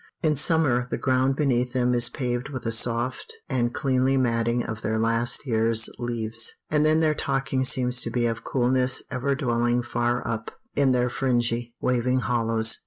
In summer the ground beneath them is paved with a soft and cleanly matting of their last year's leaves; and then their talking seems to be of coolness ever dwelling far up in their fringy, waving hollows.